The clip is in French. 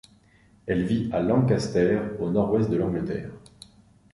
Elle vit à Lancaster, au nord-ouest de l'Angleterre.